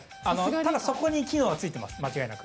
ただ、そこに機能がついています間違いなく。